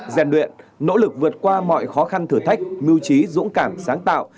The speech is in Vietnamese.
gian luyện nỗ lực vượt qua mọi khó khăn thử thách mưu trí dũng cảm sáng tạo